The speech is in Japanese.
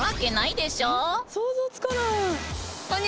想像つかない。